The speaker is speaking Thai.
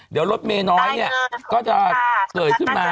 เดี๋ยวรถเมย์น้อยเนี่ยก็จะเกิดขึ้นมา